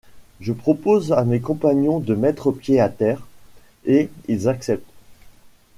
Je propose à mes compagnons de mettre pied à terre, et ils acceptent.